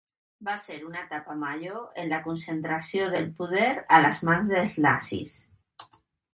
Va ser una etapa major en la concentració del poder a les mans dels nazis.